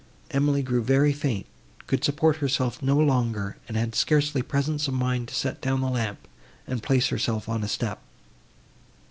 Emily grew very faint; could support herself no longer, and had scarcely presence of mind to set down the lamp, and place herself on a step.